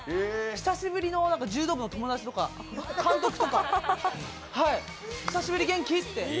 久しぶりの柔道部の友達とか監督とか、久しぶり元気？